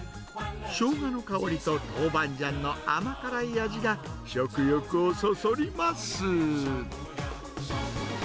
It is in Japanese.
しょうがの香りとトウバンジャンの甘辛い味が、食欲をそそります。